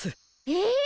えっ！？